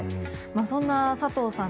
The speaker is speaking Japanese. そんな佐藤さん